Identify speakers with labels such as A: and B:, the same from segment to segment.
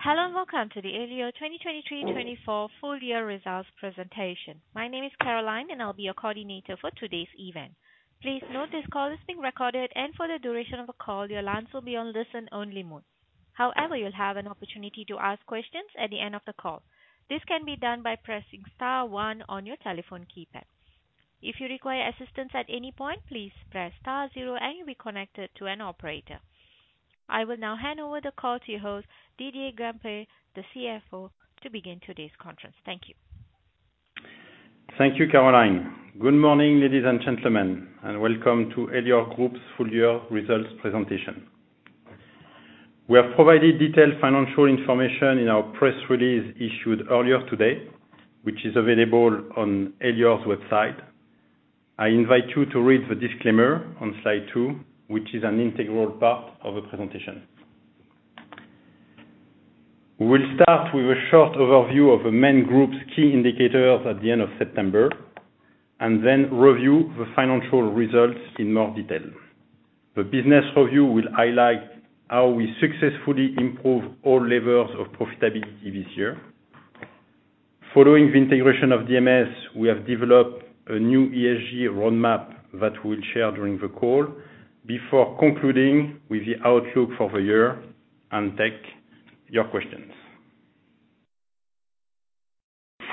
A: Hello and welcome to the Elior 2023-24 full year results presentation. My name is Caroline, and I'll be your coordinator for today's event. Please note this call is being recorded, and for the duration of the call, your lines will be on listen-only mode. However, you'll have an opportunity to ask questions at the end of the call. This can be done by pressing star one on your telephone keypad. If you require assistance at any point, please press star zero, and you'll be connected to an operator. I will now hand over the call to your host, Didier Grandpré, the CFO, to begin today's conference. Thank you.
B: Thank you, Caroline. Good morning, ladies and gentlemen, and welcome to Elior Group's full year results presentation. We have provided detailed financial information in our press release issued earlier today, which is available on Elior's website. I invite you to read the disclaimer on slide two, which is an integral part of the presentation. We will start with a short overview of the main group's key indicators at the end of September, and then review the financial results in more detail. The business review will highlight how we successfully improved all levels of profitability this year. Following the integration of DMS, we have developed a new ESG roadmap that we'll share during the call before concluding with the outlook for the year and take your questions.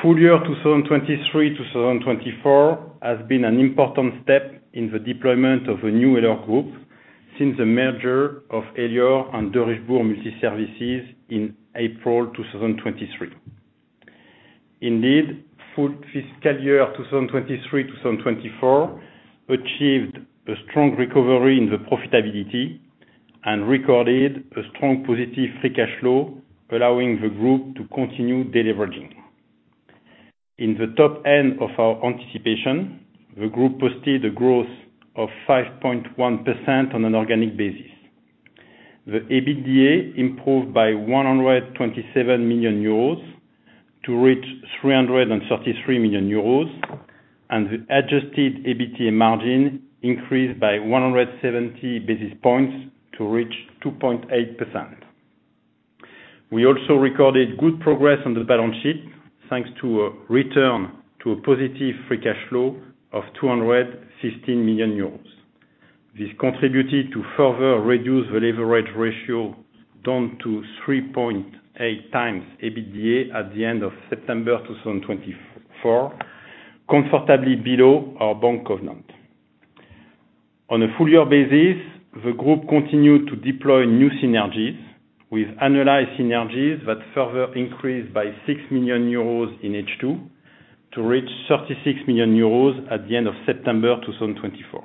B: Full year 2023-2024 has been an important step in the deployment of a new Elior Group since the merger of Elior and Derichebourg Multiservices in April 2023. Indeed, full fiscal year 2023-2024 achieved a strong recovery in profitability and recorded a strong positive free cash flow, allowing the group to continue delivering. In the top end of our anticipation, the group posted a growth of 5.1% on an organic basis. The EBITDA improved by 127 million euros to reach 333 million euros, and the adjusted EBITDA margin increased by 170 basis points to reach 2.8%. We also recorded good progress on the balance sheet thanks to a return to a positive free cash flow of 215 million euros. This contributed to further reduce the leverage ratio down to 3.8 times EBITDA at the end of September 2024, comfortably below our bank covenant. On a full year basis, the group continued to deploy new synergies, with analyzed synergies that further increased by 6 million euros in H2 to reach 36 million euros at the end of September 2024.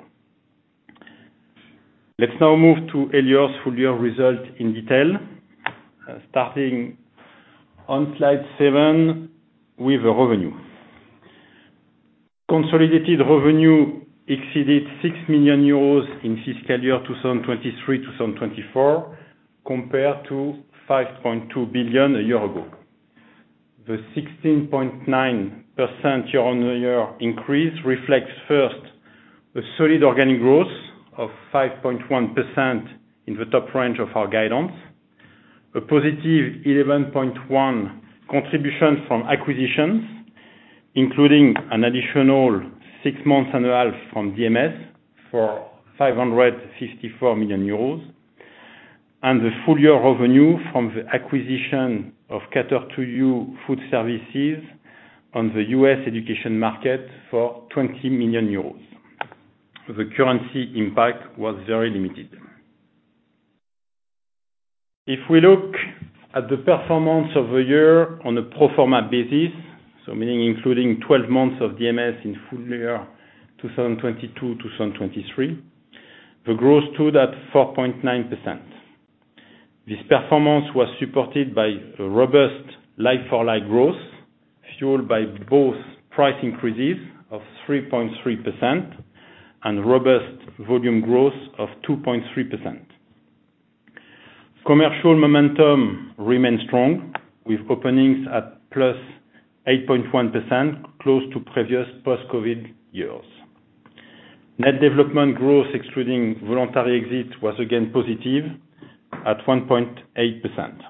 B: Let's now move to Elior's full year result in detail, starting on slide seven with the revenue. Consolidated revenue exceeded 6 billion euros in fiscal year 2023-2024, compared to 5.2 billion a year ago. The 16.9% year-on-year increase reflects first a solid organic growth of 5.1% in the top range of our guidance, a positive 11.1% contribution from acquisitions, including an additional six months annualised from DMS for 554 million euros, and the full year revenue from the acquisition of Cater To You Food Service on the US education market for 20 million euros. The currency impact was very limited. If we look at the performance of the year on a pro forma basis, so meaning including 12 months of DMS in full year 2022-2023, the growth stood at 4.9%. This performance was supported by a robust like-for-like growth fueled by both price increases of 3.3% and robust volume growth of 2.3%. Commercial momentum remained strong, with openings at plus 8.1%, close to previous post-COVID years. Net development growth excluding voluntary exits was again positive at 1.8%.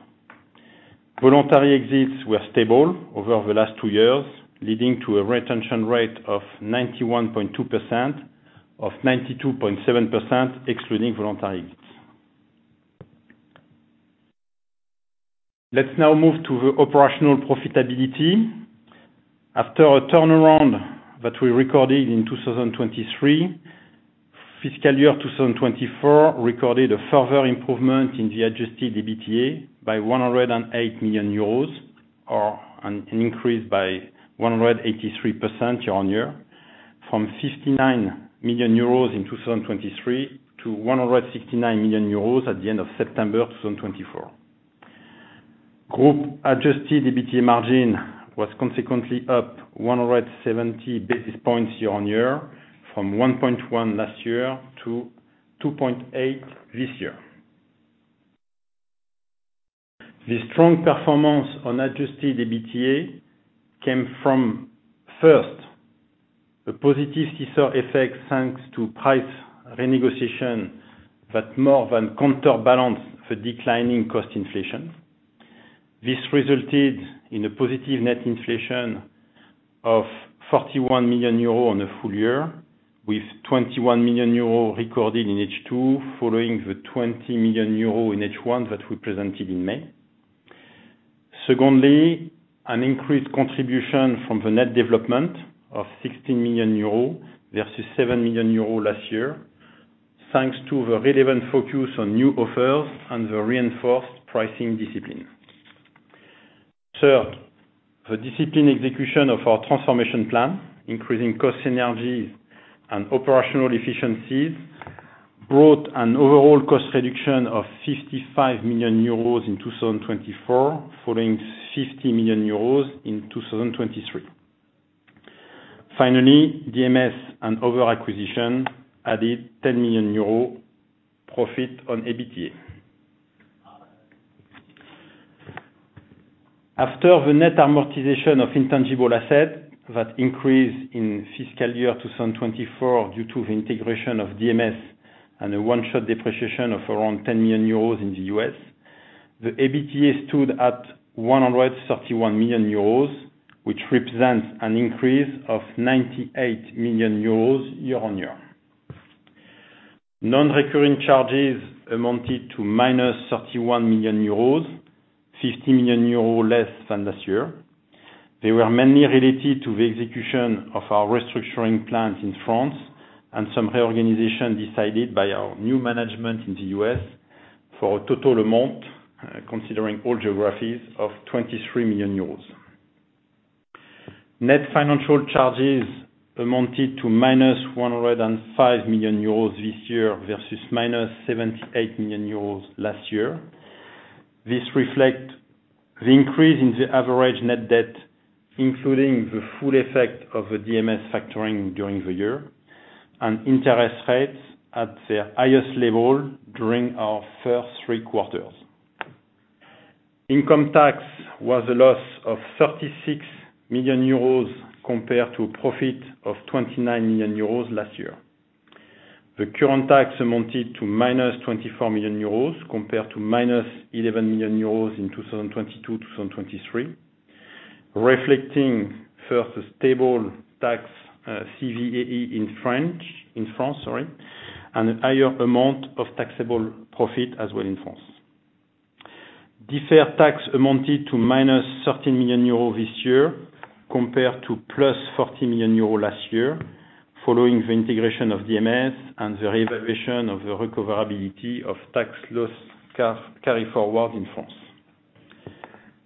B: Voluntary exits were stable over the last two years, leading to a retention rate of 91.2%, of 92.7% excluding voluntary exits. Let's now move to the operational profitability. After a turnaround that we recorded in 2023, fiscal year 2024 recorded a further improvement in the Adjusted EBITDA by €108 million, or an increase by 183% year-on-year, from €59 million in 2023 to €169 million at the end of September 2024. Group adjusted EBITDA margin was consequently up 170 basis points year-on-year, from 1.1% last year to 2.8% this year. The strong performance on adjusted EBITDA came from, first, a positive seesaw effect thanks to price renegotiation that more than counterbalanced the declining cost inflation. This resulted in a positive net inflation of €41 million on a full year, with €21 million recorded in H2, following the €20 million in H1 that we presented in May. Secondly, an increased contribution from the net development of €16 million versus €7 million last year, thanks to the relevant focus on new offers and the reinforced pricing discipline. Third, the disciplined execution of our transformation plan, increasing cost synergies and operational efficiencies, brought an overall cost reduction of €55 million in 2024, following €50 million in 2023. Finally, DMS and other acquisitions added €10 million profit on EBITDA. After the net amortization of intangible assets that increased in fiscal year 2024 due to the integration of DMS and a one-shot depreciation of around 10 million euros in the U.S., the EBITDA stood at 131 million euros, which represents an increase of 98 million euros year-on-year. Non-recurring charges amounted to 31 million euros, 50 million euros less than last year. They were mainly related to the execution of our restructuring plans in France and some reorganization decided by our new management in the U.S. for a total amount, considering all geographies, of 23 million euros. Net financial charges amounted to 105 million euros this year versus 78 million euros last year. This reflects the increase in the average net debt, including the full effect of the DMS factoring during the year, and interest rates at their highest level during our first three quarters. Income tax was a loss of €36 million compared to a profit of €29 million last year. The current tax amounted to €24 million compared to €11 million in 2022-2023, reflecting first a stable tax CVAE in France, and a higher amount of taxable profit as well in France. Deferred tax amounted to €13 million this year compared to €40 million last year, following the integration of DMS and the reevaluation of the recoverability of tax loss carried forward in France.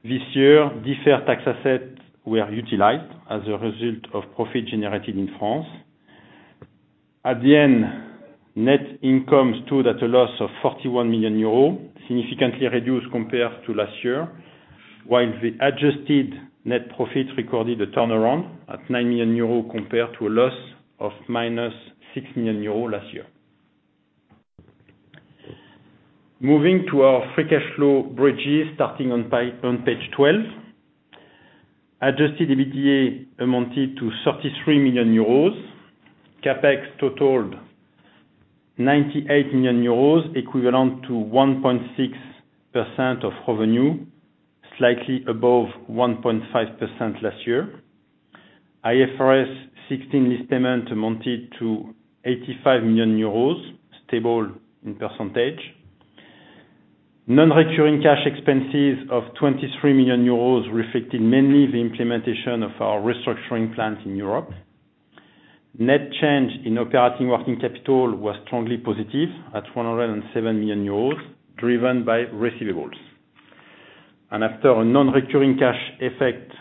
B: This year, deferred tax assets were utilized as a result of profit generated in France. At the end, net income stood at a loss of €41 million, significantly reduced compared to last year, while the adjusted net profit recorded a turnaround at €9 million compared to a loss of €6 million last year. Moving to our free cash flow bridges starting on page 12, Adjusted EBITDA amounted to 33 million euros. CapEx totaled 98 million euros, equivalent to 1.6% of revenue, slightly above 1.5% last year. IFRS 16 lease payment amounted to 85 million euros, stable in percentage. Non-recurring cash expenses of 23 million euros reflected mainly the implementation of our restructuring plan in Europe. Net change in operating working capital was strongly positive at 107 million euros, driven by receivables, and after a non-recurring cash effect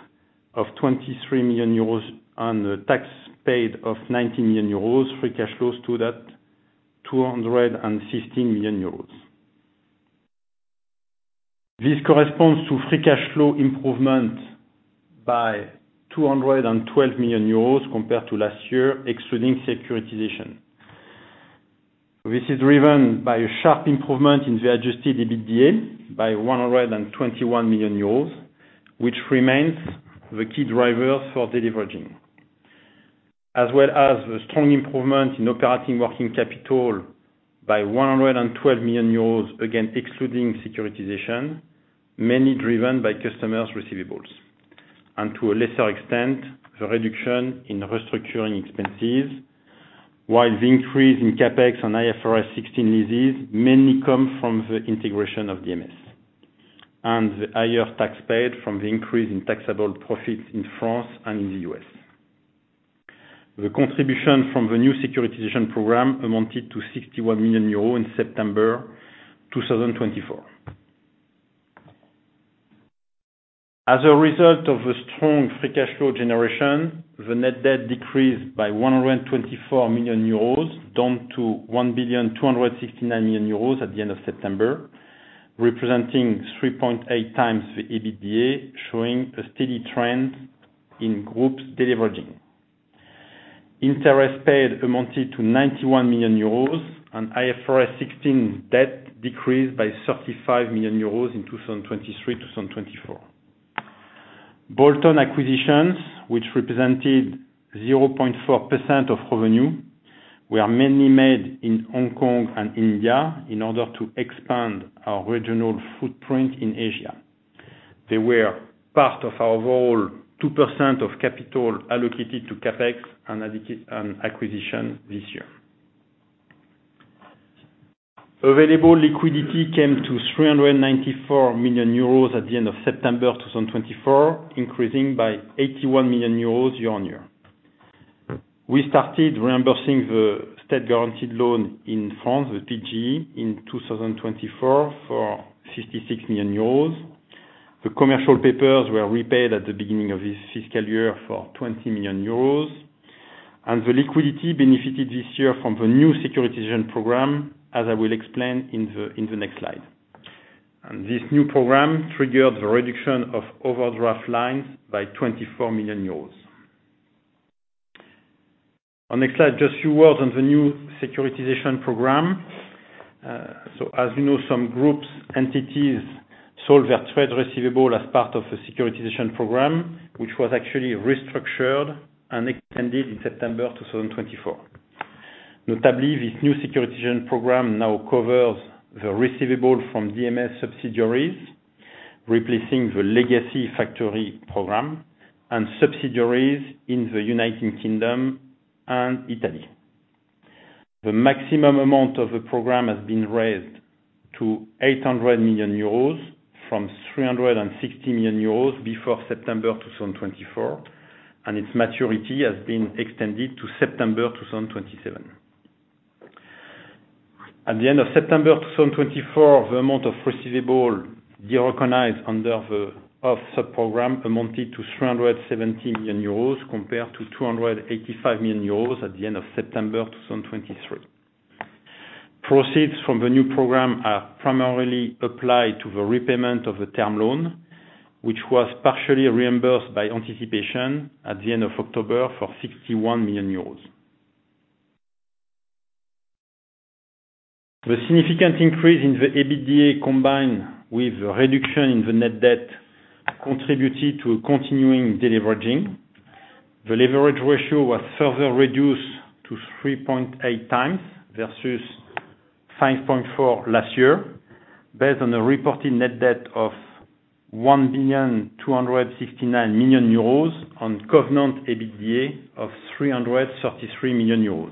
B: of 23 million euros and a tax paid of 90 million euros, free cash flow stood at 215 million euros. This corresponds to free cash flow improvement by 212 million euros compared to last year, excluding securitization. This is driven by a sharp improvement in the Adjusted EBITDA by €121 million, which remains the key driver for deleveraging, as well as a strong improvement in operating working capital by €112 million, again excluding securitization, mainly driven by customers' receivables, and to a lesser extent, the reduction in restructuring expenses, while the increase in Capex and IFRS 16 leases mainly comes from the integration of DMS and the higher tax paid from the increase in taxable profits in France and in the U.S. The contribution from the new securitization program amounted to €61 million in September 2024. As a result of the strong free cash flow generation, the net debt decreased by €124 million down to €1,269 million at the end of September, representing 3.8 times the EBITDA, showing a steady trend in the Group's deleveraging. Interest paid amounted to €91 million, and IFRS 16 debt decreased by €35 million in 2023-2024. Bolt-on acquisitions, which represented 0.4% of revenue, were mainly made in Hong Kong and India in order to expand our regional footprint in Asia. They were part of our overall 2% of capital allocated to Capex and acquisition this year. Available liquidity came to €394 million at the end of September 2024, increasing by €81 million year-on-year. We started reimbursing the state-guaranteed loan in France, the PGE, in 2024 for €56 million. The commercial papers were repaid at the beginning of this fiscal year for €20 million, and the liquidity benefited this year from the new securitization program, as I will explain in the next slide, and this new program triggered the reduction of overdraft lines by €24 million. On the next slide, just a few words on the new securitization program. As you know, some groups, entities sold their trade receivable as part of the securitization program, which was actually restructured and extended in September 2024. Notably, this new securitization program now covers the receivable from DMS subsidiaries, replacing the legacy factory program and subsidiaries in the United Kingdom and Italy. The maximum amount of the program has been raised to 800 million euros from 360 million euros before September 2024, and its maturity has been extended to September 2027. At the end of September 2024, the amount of receivable de-recognized under the OFF subprogram amounted to 317 million euros compared to 285 million euros at the end of September 2023. Proceeds from the new program are primarily applied to the repayment of the term loan, which was partially reimbursed by anticipation at the end of October for 61 million euros. The significant increase in the EBITDA, combined with the reduction in the net debt, contributed to continuing delivering. The leverage ratio was further reduced to 3.8 times versus 5.4 last year, based on a reported net debt of 1,269 million euros on covenant EBITDA of 333 million euros.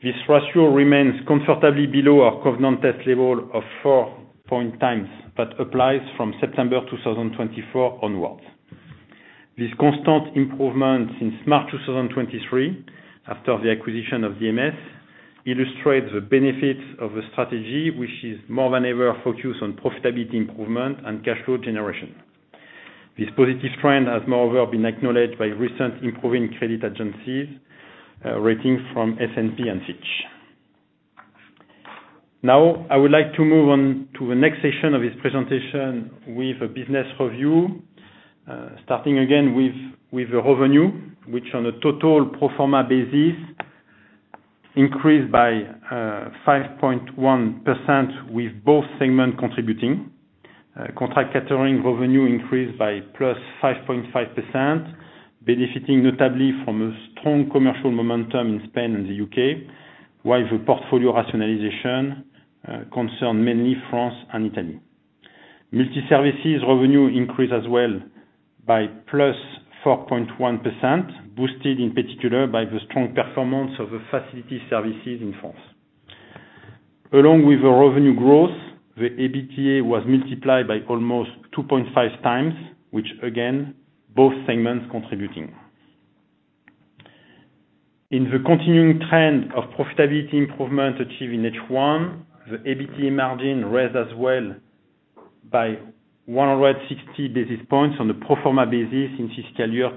B: This ratio remains comfortably below our covenant test level of 4.0 times, but applies from September 2024 onwards. This constant improvement since March 2023, after the acquisition of DMS, illustrates the benefits of a strategy which is more than ever focused on profitability improvement and cash flow generation. This positive trend has, moreover, been acknowledged by recent improving credit agencies rating from S&P and Fitch. Now, I would like to move on to the next section of this presentation with a business review, starting again with the revenue, which, on a total proforma basis, increased by 5.1% with both segments contributing. Contract catering revenue increased by plus 5.5%, benefiting notably from a strong commercial momentum in Spain and the UK, while the portfolio rationalization concerned mainly France and Italy. Multi-services revenue increased as well by plus 4.1%, boosted in particular by the strong performance of the facility services in France. Along with the revenue growth, the EBITDA was multiplied by almost 2.5 times, which, again, both segments contributing. In the continuing trend of profitability improvement achieved in H1, the EBITDA margin raised as well by 160 basis points on a proforma basis in fiscal year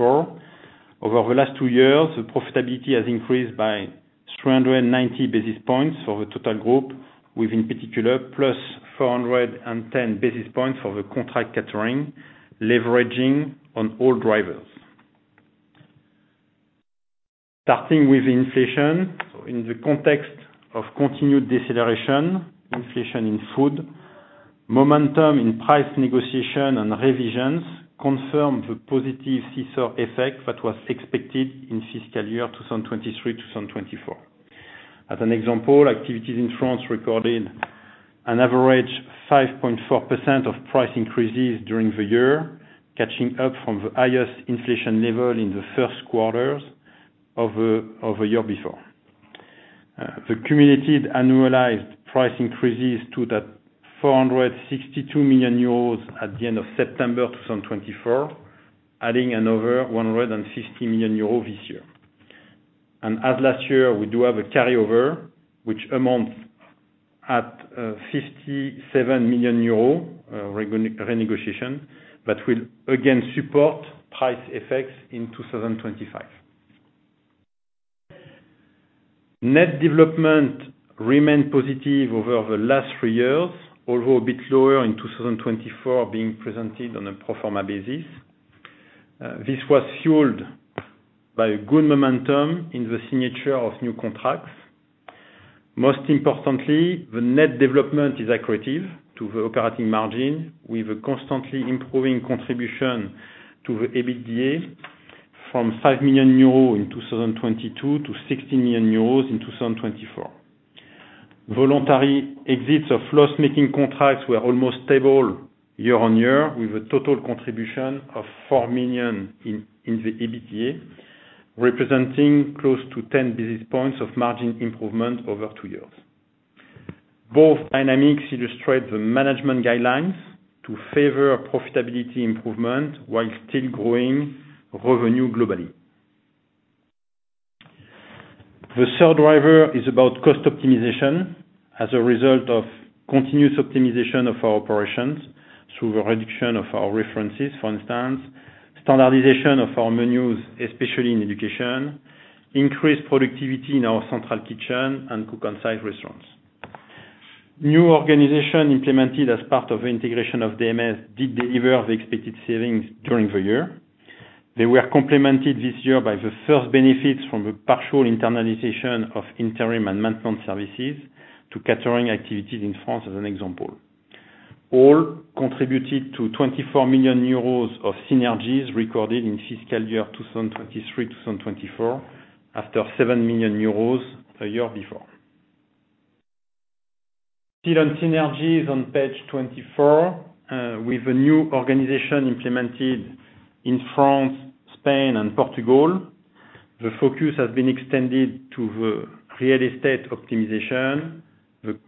B: 2023-2024. Over the last two years, the profitability has increased by 390 basis points for the total group, with, in particular, plus 410 basis points for the contract catering, leveraging on all drivers. Starting with inflation, in the context of continued deceleration, inflation in food, momentum in price negotiation and revisions confirmed the positive seesaw effect that was expected in fiscal year 2023-2024. As an example, activities in France recorded an average 5.4% of price increases during the year, catching up from the highest inflation level in the first quarters of the year before. The cumulated annualized price increases stood at 462 million euros at the end of September 2024, adding another 150 million euros this year. And as last year, we do have a carry-over, which amounts at 57 million euro renegotiation, but will again support price effects in 2025. Net development remained positive over the last three years, although a bit lower in 2024, being presented on a pro forma basis. This was fueled by good momentum in the signature of new contracts. Most importantly, the net development is additive to the operating margin, with a constantly improving contribution to the EBITDA from 5 million euros in 2022 to 60 million euros in 2024. Voluntary exits of loss-making contracts were almost stable year-on-year, with a total contribution of 4 million in the EBITDA, representing close to 10 basis points of margin improvement over two years. Both dynamics illustrate the management guidelines to favor profitability improvement while still growing revenue globally. The third driver is about cost optimization. As a result of continuous optimization of our operations through the reduction of our references, for instance, standardization of our menus, especially in education, increased productivity in our central kitchen and cook-on-site restaurants. New organization implemented as part of the integration of DMS did deliver the expected savings during the year. They were complemented this year by the first benefits from the partial internalization of interim and maintenance services to catering activities in France, as an example. All contributed to 24 million euros of synergies recorded in fiscal year 2023-2024, after 7 million euros a year before. Still on synergies on page 24, with a new organization implemented in France, Spain, and Portugal, the focus has been extended to the real estate optimization, the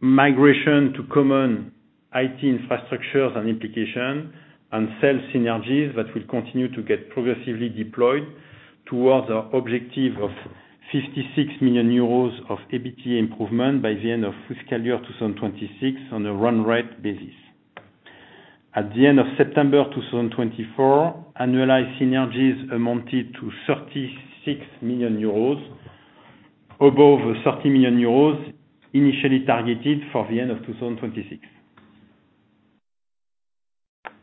B: migration to common IT infrastructures and implications, and sales synergies that will continue to get progressively deployed towards our objective of 56 million euros of EBITDA improvement by the end of fiscal year 2026 on a run rate basis. At the end of September 2024, annualized synergies amounted to 36 million euros, above 30 million euros initially targeted for the end of 2026.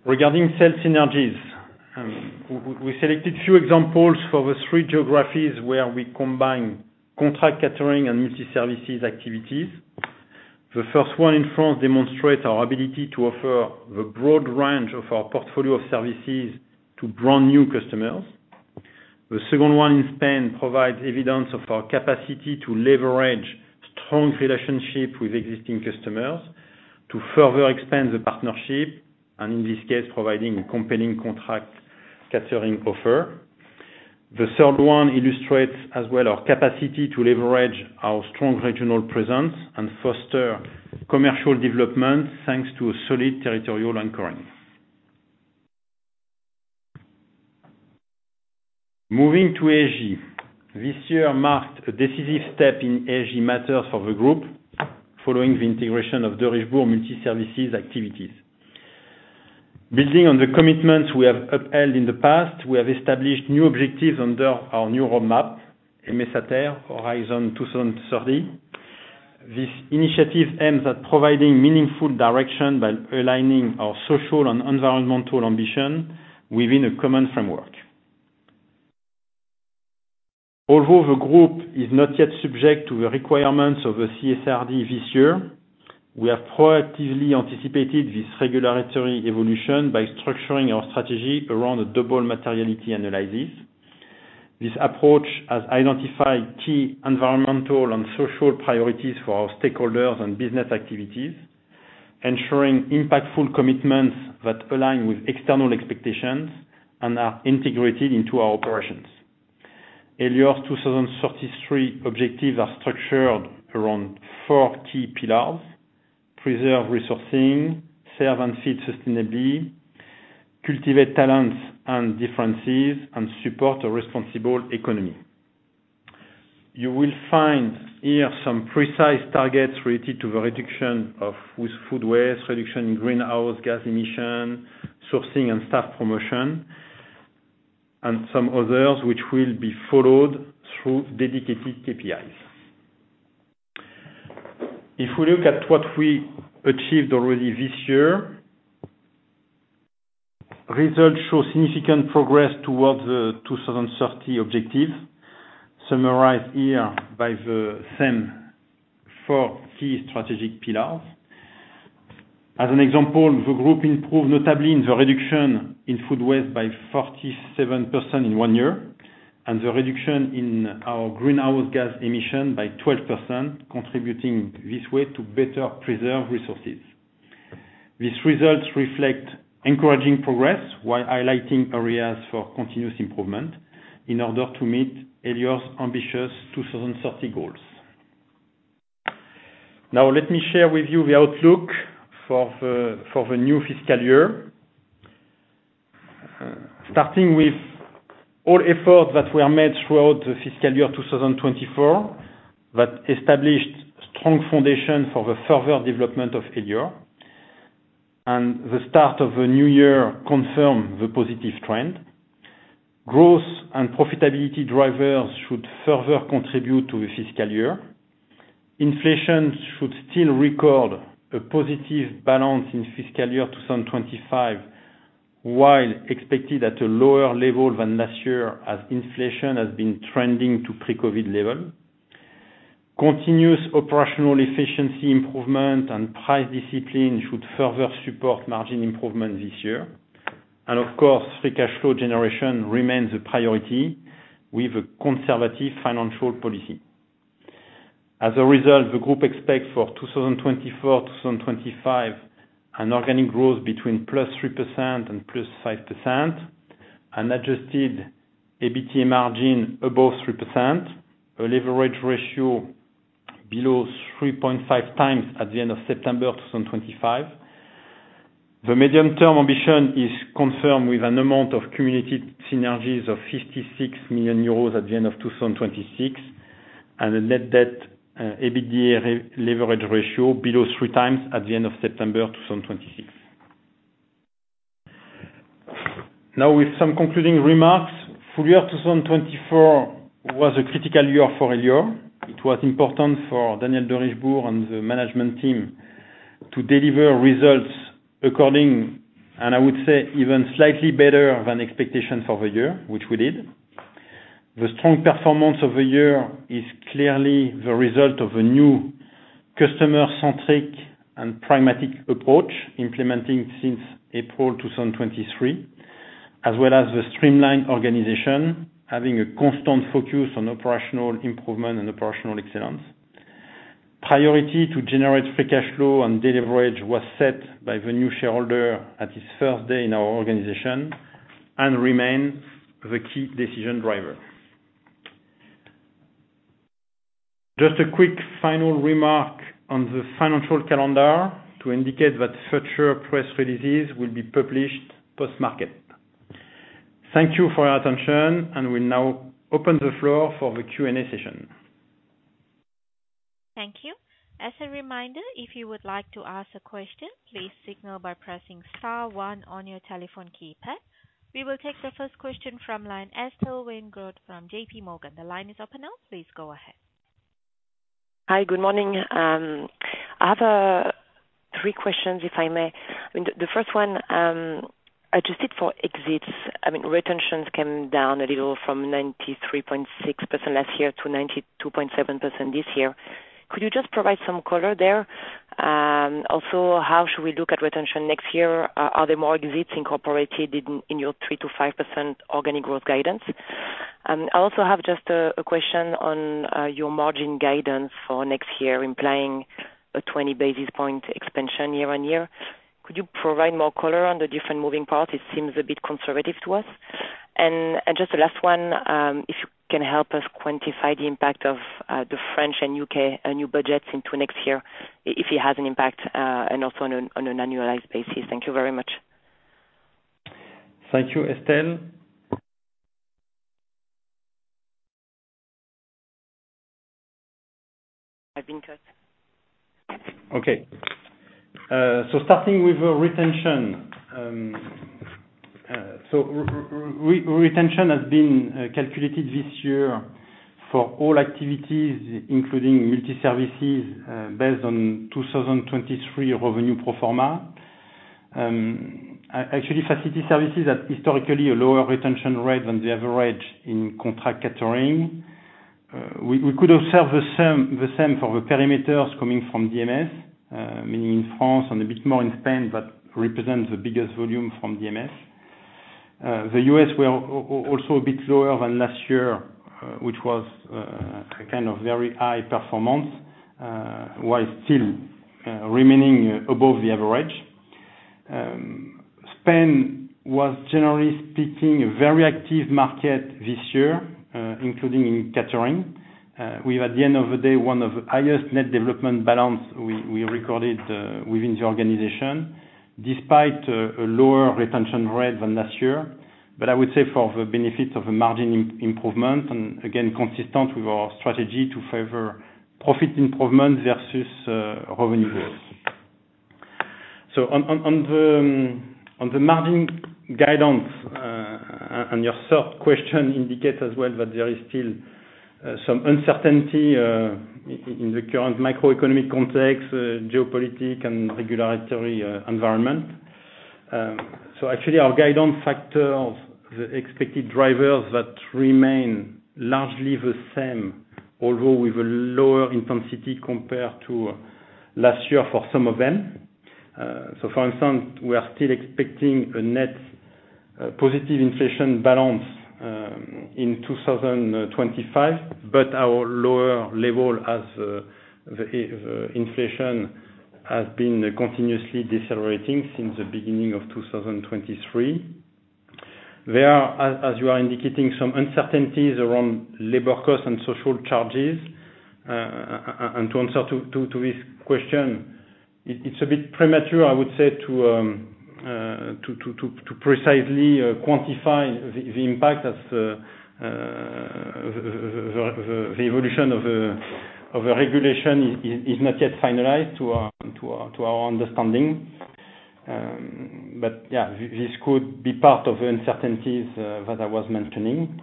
B: Regarding sales synergies, we selected a few examples for the three geographies where we combine contract catering and multi-services activities. The first one in France demonstrates our ability to offer the broad range of our portfolio of services to brand new customers. The second one in Spain provides evidence of our capacity to leverage strong relationships with existing customers to further expand the partnership, and in this case, providing a compelling contract catering offer. The third one illustrates as well our capacity to leverage our strong regional presence and foster commercial development thanks to a solid territorial anchoring. Moving to ESG, this year marked a decisive step in ESG matters for the group, following the integration of Derichebourg Multi-Services activities. Building on the commitments we have upheld in the past, we have established new objectives under our new roadmap, Aimer sa Terre Horizon 2030. This initiative aims at providing meaningful direction by aligning our social and environmental ambition within a common framework. Although the group is not yet subject to the requirements of the CSRD this year, we have proactively anticipated this regulatory evolution by structuring our strategy around double materiality analysis. This approach has identified key environmental and social priorities for our stakeholders and business activities, ensuring impactful commitments that align with external expectations and are integrated into our operations. Elior's 2033 objectives are structured around four key pillars: preserve resourcing, serve and feed sustainably, cultivate talents and differences, and support a responsible economy. You will find here some precise targets related to the reduction of food waste, reduction in greenhouse gas emission sourcing, and staff promotion, and some others which will be followed through dedicated KPIs. If we look at what we achieved already this year, results show significant progress towards the 2030 objectives summarized here by the same four key strategic pillars. As an example, the group improved notably in the reduction in food waste by 47% in one year, and the reduction in our greenhouse gas emissions by 12%, contributing this way to better preserve resources. These results reflect encouraging progress, while highlighting areas for continuous improvement in order to meet Elior's ambitious 2030 goals. Now, let me share with you the outlook for the new fiscal year. Starting with all efforts that were made throughout the fiscal year 2024 that established a strong foundation for the further development of Elior, and the start of the new year confirmed the positive trend. Growth and profitability drivers should further contribute to the fiscal year. Inflation should still record a positive balance in fiscal year 2025, while expected at a lower level than last year as inflation has been trending to pre-COVID levels. Continuous operational efficiency improvement and price discipline should further support margin improvement this year, and of course, free cash flow generation remains a priority with a conservative financial policy. As a result, the group expects for 2024-2025 an organic growth between +3% and +5%, an Adjusted EBITDA margin above 3%, a leverage ratio below 3.5 times at the end of September 2025. The medium-term ambition is confirmed with an amount of cumulated synergies of 56 million euros at the end of 2026, and a net debt EBITDA leverage ratio below three times at the end of September 2026. Now, with some concluding remarks, full year 2024 was a critical year for Elior. It was important for Daniel Derichebourg and the management team to deliver results accordingly, and I would say, even slightly better than expectations for the year, which we did. The strong performance of the year is clearly the result of a new customer-centric and pragmatic approach implemented since April 2023, as well as the streamlined organization having a constant focus on operational improvement and operational excellence. Priority to generate free cash flow and leverage was set by the new shareholder at his first day in our organization and remains the key decision driver. Just a quick final remark on the financial calendar to indicate that future press releases will be published post-market.
A: Thank you for your attention, and we'll now open the floor for the Q&A session. Thank you. As a reminder, if you would like to ask a question, please signal by pressing star one on your telephone keypad.
C: We will take the first question from line Estelle Weingrod from JPMorgan. The line is open now. Please go ahead. Hi, good morning. I have three questions, if I may. The first one, adjusted for exits, I mean, retentions came down a little from 93.6% last year to 92.7% this year. Could you just provide some color there? Also, how should we look at retention next year? Are there more exits incorporated in your 3%-5% organic growth guidance? I also have just a question on your margin guidance for next year, implying a 20 basis point expansion year on year. Could you provide more color on the different moving parts? It seems a bit conservative to us. And just the last one, if you can help us quantify the impact of the French and UK new budgets into next year, if it has an impact, and also on an annualized basis. Thank you very much.
B: Thank you, Estelle. I've been cut. Okay. So starting with retention, retention has been calculated this year for all activities, including multi-services, based on 2023 revenue pro forma. Actually, facility services had historically a lower retention rate than the average in contract catering. We could observe the same for the perimeters coming from DMS, meaning in France and a bit more in Spain, but represents the biggest volume from DMS. The US were also a bit lower than last year, which was a kind of very high performance, while still remaining above the average. Spain was, generally speaking, a very active market this year, including in catering. We have, at the end of the day, one of the highest net development balance we recorded within the organization, despite a lower retention rate than last year, but I would say for the benefits of the margin improvement, and again, consistent with our strategy to favor profit improvement versus revenue growth, so on the margin guidance, and your third question indicates as well that there is still some uncertainty in the current macroeconomic context, geopolitical, and regulatory environment, so actually, our guidance factors, the expected drivers that remain largely the same, although with a lower intensity compared to last year for some of them, so for instance, we are still expecting a net positive inflation balance in 2025, but at a lower level, as the inflation has been continuously decelerating since the beginning of 2023. There are, as you are indicating, some uncertainties around labor costs and social charges. To answer to this question, it's a bit premature, I would say, to precisely quantify the impact as the evolution of the regulation is not yet finalized to our understanding. But yeah, this could be part of the uncertainties that I was mentioning.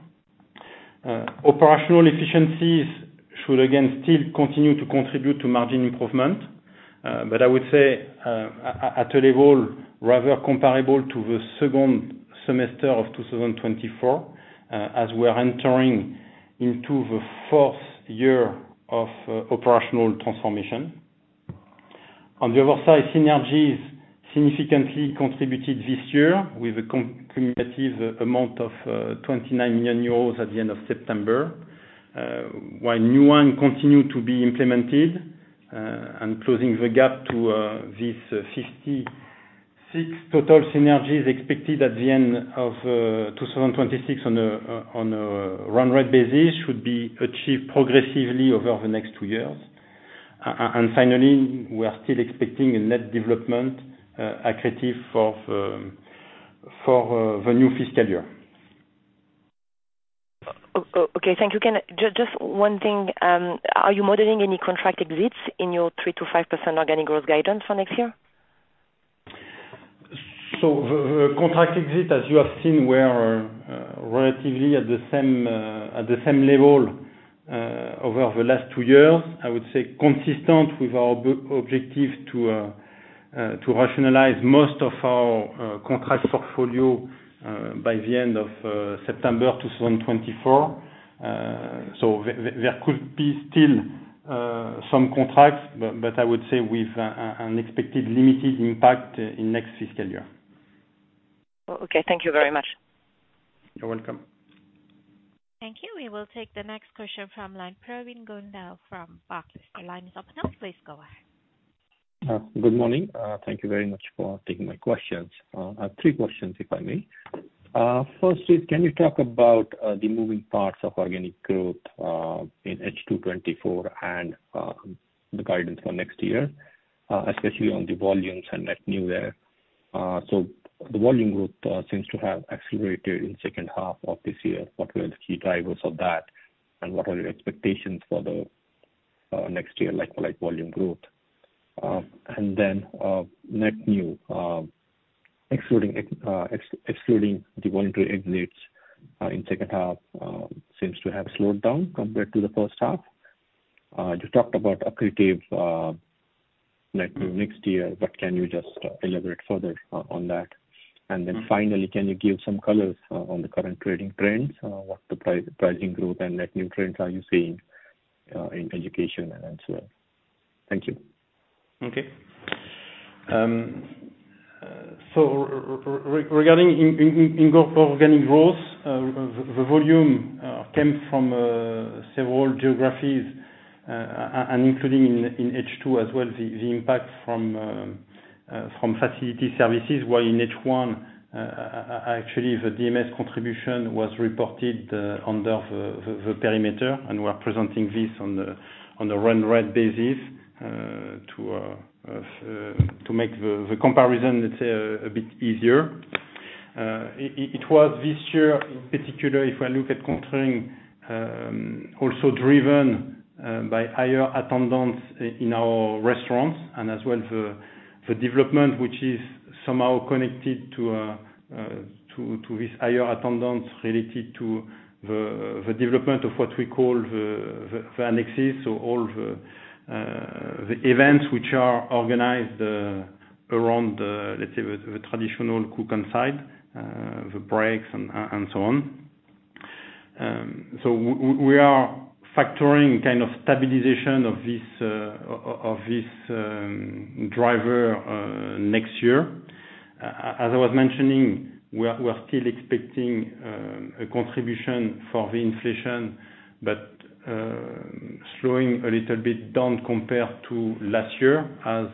B: Operational efficiencies should, again, still continue to contribute to margin improvement, but I would say at a level rather comparable to the second semester of 2024, as we are entering into the fourth year of operational transformation. On the other side, synergies significantly contributed this year with a cumulative amount of 29 million euros at the end of September, while new ones continue to be implemented and closing the gap to these 56 total synergies expected at the end of 2026 on a run rate basis should be achieved progressively over the next two years. And finally, we are still expecting a net development accretive for the new fiscal year.
C: Okay, thank you. Just one thing. Are you modeling any contract exits in your 3%-5% organic growth guidance for next year?
B: So the contract exits, as you have seen, were relatively at the same level over the last two years. I would say consistent with our objective to rationalize most of our contract portfolio by the end of September 2024. So there could be still some contracts, but I would say with an expected limited impact in next fiscal year.
C: Okay, thank you very much.
B: You're welcome.
A: Thank you. We will take the next question from line Pravin Gondhale from Barclays. The line is open now. Please go ahead.
D: Good morning. Thank you very much for taking my questions. I have three questions, if I may. First is, can you talk about the moving parts of organic growth in H224 and the guidance for next year, especially on the volumes and net new there? So the volume growth seems to have accelerated in the second half of this year. What were the key drivers of that, and what are your expectations for the next year, like volume growth? And then net new, excluding the voluntary exits in the second half, seems to have slowed down compared to the first half. You talked about accretive net new next year, but can you just elaborate further on that? And then finally, can you give some colors on the current trading trends? What pricing growth and net new trends are you seeing in education and elsewhere? Thank you. Okay.
B: So regarding organic growth, the volume came from several geographies, and including in H2 as well, the impact from facility services, while in H1, actually, the DMS contribution was reported under the perimeter, and we are presenting this on a run rate basis to make the comparison, let's say, a bit easier. It was this year, in particular, if I look at comparing also driven by higher attendance in our restaurants, and as well the development, which is somehow connected to this higher attendance related to the development of what we call the annexes, so all the events which are organized around, let's say, the traditional cooking side, the breaks, and so on. So we are factoring kind of stabilization of this driver next year. As I was mentioning, we are still expecting a contribution for the inflation, but slowing a little bit down compared to last year, as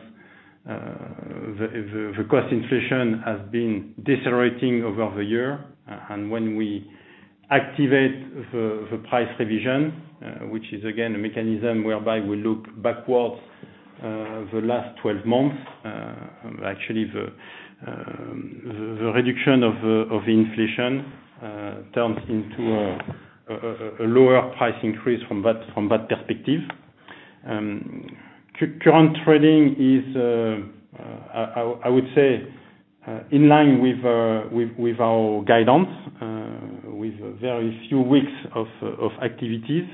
B: the cost inflation has been decelerating over the year, and when we activate the price revision, which is, again, a mechanism whereby we look backwards the last 12 months, actually, the reduction of the inflation turns into a lower price increase from that perspective. Current trading is, I would say, in line with our guidance, with very few weeks of activities.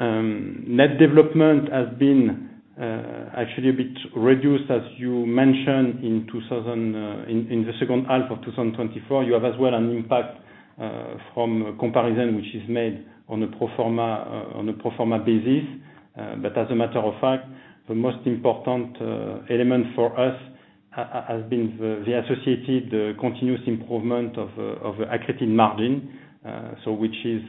B: Net development has been actually a bit reduced, as you mentioned, in the second half of 2024. You have as well an impact from comparison which is made on a pro forma basis. But as a matter of fact, the most important element for us has been the associated continuous improvement of the accretive margin, which is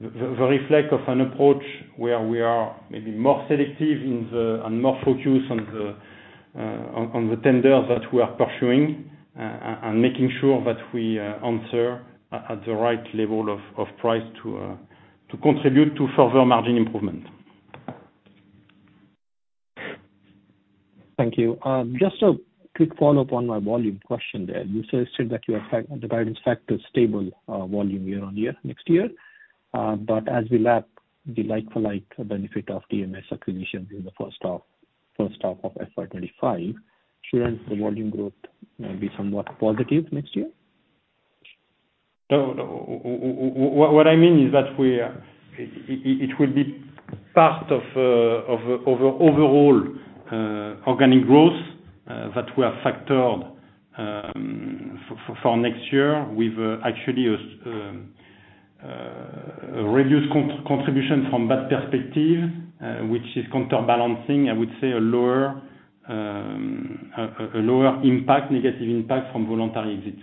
B: the reflection of an approach where we are maybe more selective and more focused on the tenders that we are pursuing and making sure that we answer at the right level of price to contribute to further margin improvement.
D: Thank you. Just a quick follow-up on my volume question there. You said that you had the guidance factor stable volume year on year next year. But as we lap the like-for-like benefit of DMS acquisitions in the first half of FY25, shouldn't the volume growth be somewhat positive next year?
B: No, no. What I mean is that it will be part of overall organic growth that we have factored for next year with actually a reduced contribution from that perspective, which is counterbalancing, I would say, a lower impact, negative impact from voluntary exits.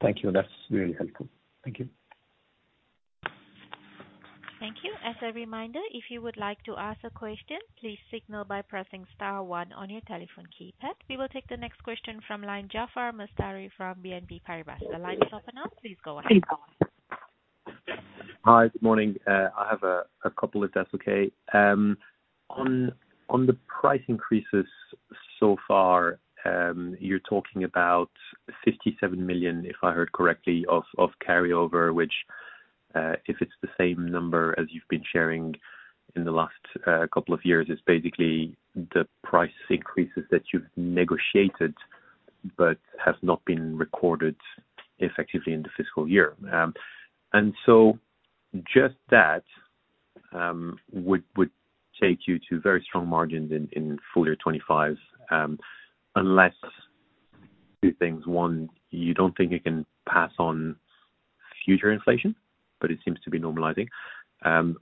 D: Thank you. That's really helpful. Thank you.
A: Thank you. As a reminder, if you would like to ask a question, please signal by pressing star one on your telephone keypad. We will take the next question from line Jafar Mustari from BNP Paribas. The line is open now. Please go ahead. Please go ahead.
E: Hi, good morning. I have a couple if that's okay. On the price increases so far, you're talking about €57 million, if I heard correctly, of carry-over, which, if it's the same number as you've been sharing in the last couple of years, is basically the price increases that you've negotiated but have not been recorded effectively in the fiscal year, and so just that would take you to very strong margins in full year 2025, unless two things. One, you don't think it can pass on future inflation, but it seems to be normalizing,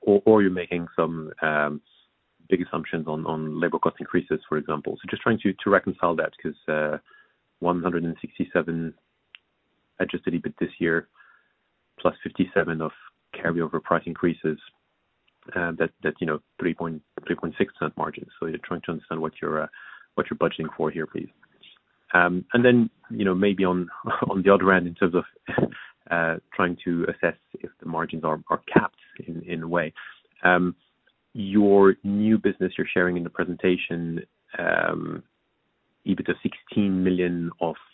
E: or you're making some big assumptions on labor cost increases, for example, so just trying to reconcile that because €167 adjusted EBIT this year plus €57 of carry-over price increases, that's 3.6% margin, so you're trying to understand what you're budgeting for here, please. And then maybe on the other end, in terms of trying to assess if the margins are capped in a way, your new business you're sharing in the presentation, EBIT of 16 million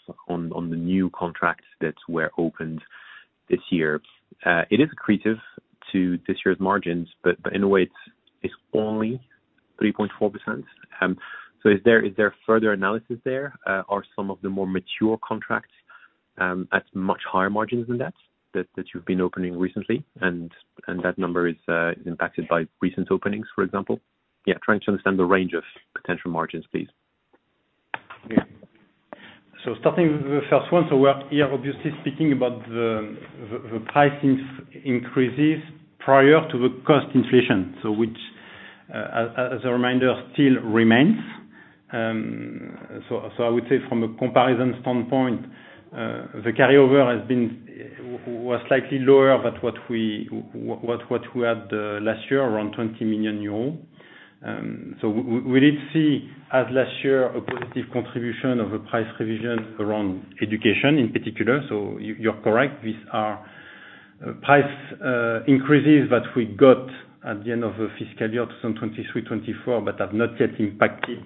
E: on the new contracts that were opened this year, it is accretive to this year's margins, but in a way, it's only 3.4%. So is there further analysis there? Are some of the more mature contracts at much higher margins than that that you've been opening recently, and that number is impacted by recent openings, for example? Yeah, trying to understand the range of potential margins, please.
B: Yeah. So starting with the first one, so we're here obviously speaking about the price increases prior to the cost inflation, which, as a reminder, still remains. So I would say from a comparison standpoint, the carry-over was slightly lower than what we had last year, around 20 million euros. So we did see, as last year, a positive contribution of a price revision around education in particular. So you're correct. These are price increases that we got at the end of the fiscal year 2023-24, but have not yet impacted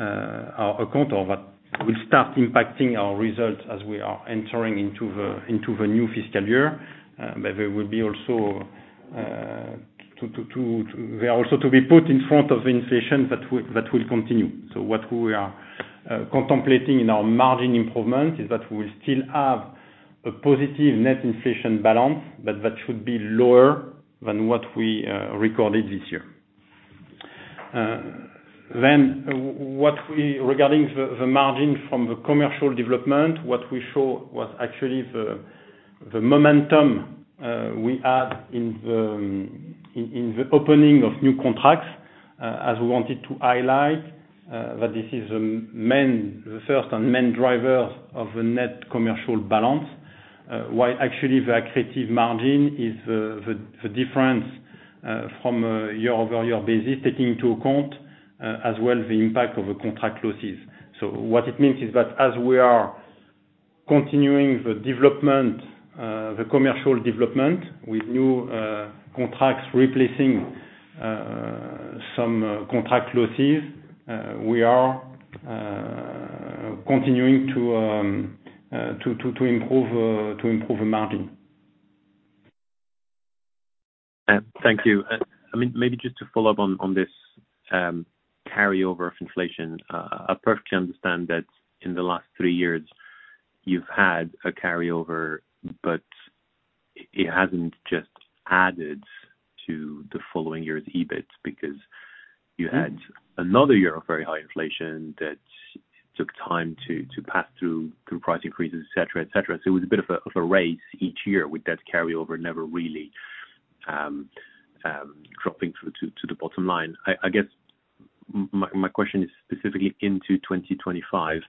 B: our account or will start impacting our results as we are entering into the new fiscal year. But they will be also to be put in front of the inflation that will continue. So what we are contemplating in our margin improvement is that we will still have a positive net inflation balance, but that should be lower than what we recorded this year. Then regarding the margin from the commercial development, what we show was actually the momentum we had in the opening of new contracts, as we wanted to highlight that this is the first and main driver of the net commercial balance, while actually the accretive margin is the difference from year-over-year basis taking into account as well the impact of the contract losses. So what it means is that as we are continuing the development, the commercial development with new contracts replacing some contract losses, we are continuing to improve the margin.
E: Thank you. I mean, maybe just to follow up on this carry-over of inflation, I perfectly understand that in the last three years, you've had a carry-over, but it hasn't just added to the following year's EBIT because you had another year of very high inflation that took time to pass through price increases, etc., etc. So it was a bit of a race each year with that carry-over never really dropping through to the bottom line. I guess my question is specifically into 2025.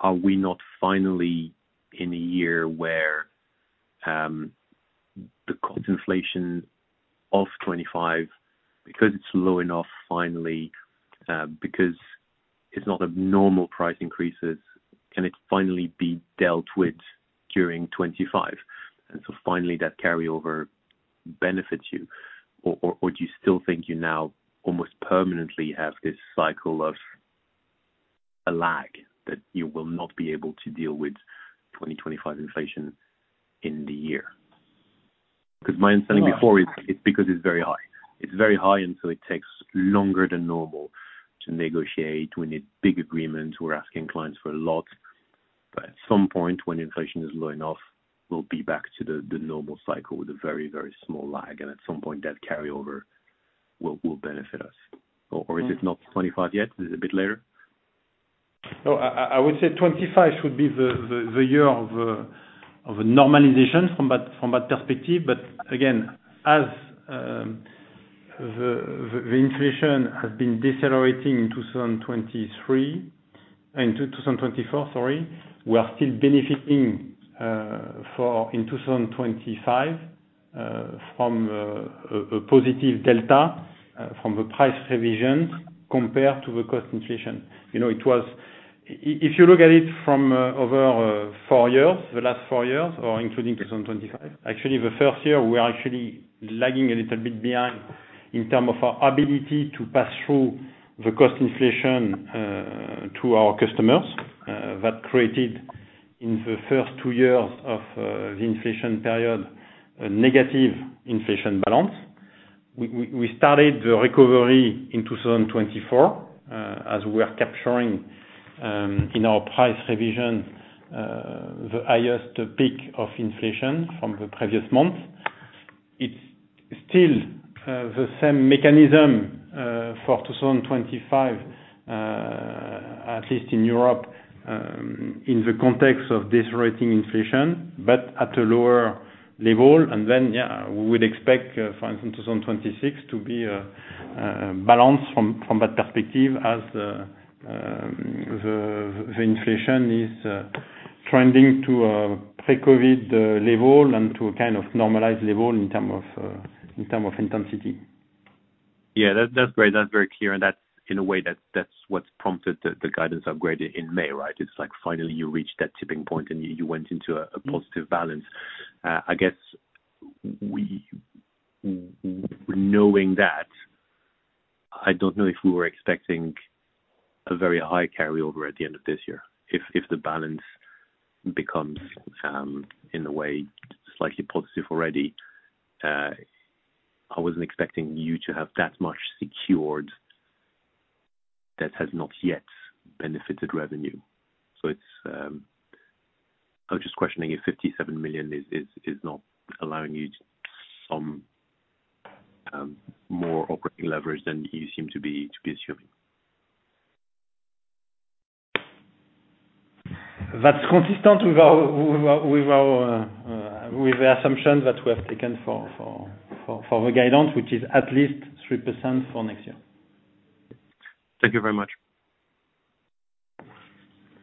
E: Are we not finally in a year where the cost inflation of 2025, because it's low enough finally, because it's not abnormal price increases, can it finally be dealt with during 2025? And so finally, that carry-over benefits you, or do you still think you now almost permanently have this cycle of a lag that you will not be able to deal with 2025 inflation in the year? Because my understanding before is because it's very high.
B: It's very high, and so it takes longer than normal to negotiate when it's big agreements. We're asking clients for a lot. But at some point, when inflation is low enough, we'll be back to the normal cycle with a very, very small lag. At some point, that carry-over will benefit us. Or is it not 2025 yet? Is it a bit later? No, I would say 2025 should be the year of normalization from that perspective. But again, as the inflation has been decelerating in 2023 and 2024, sorry, we are still benefiting in 2025 from a positive delta from the price revisions compared to the cost inflation. If you look at it from over four years, the last four years, or including 2025, actually, the first year, we are actually lagging a little bit behind in terms of our ability to pass through the cost inflation to our customers that created in the first two years of the inflation period a negative inflation balance. We started the recovery in 2024 as we were capturing in our price revision the highest peak of inflation from the previous month. It's still the same mechanism for 2025, at least in Europe, in the context of decelerating inflation, but at a lower level. And then, yeah, we would expect, for instance, 2026 to be balanced from that perspective as the inflation is trending to a pre-COVID level and to a kind of normalized level in terms of intensity.
E: Yeah, that's great. That's very clear. And that's in a way that's what prompted the guidance upgrade in May, right? It's like finally you reached that tipping point and you went into a positive balance. I guess knowing that, I don't know if we were expecting a very high carry-over at the end of this year. If the balance becomes, in a way, slightly positive already, I wasn't expecting you to have that much secured that has not yet benefited revenue. So I'm just questioning if €57 million is not allowing you some more operating leverage than you seem to be assuming. That's consistent with the assumptions that we have taken for the guidance, which is at least 3% for next year. Thank you very much.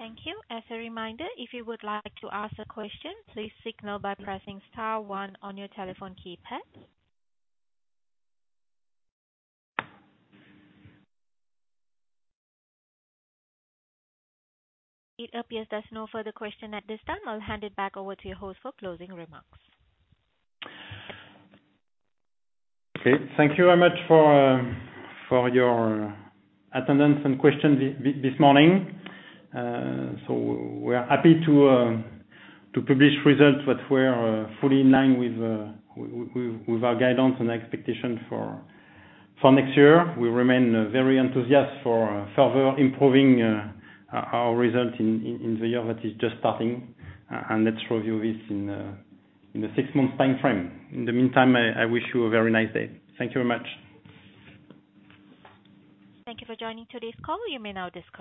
A: Thank you. As a reminder, if you would like to ask a question, please signal by pressing star one on your telephone keypad. It appears there's no further question at this time. I'll hand it back over to your host for closing remarks.
B: Okay. Thank you very much for your attendance and questions this morning. So we're happy to publish results that were fully in line with our guidance and expectations for next year. We remain very enthusiastic for further improving our results in the year that is just starting. And let's review this in a six-month time frame. In the meantime, I wish you a very nice day. Thank you very much. Thank you for joining today's call. You may now disconnect.